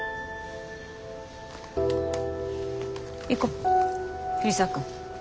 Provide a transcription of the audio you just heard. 行こ藤沢君。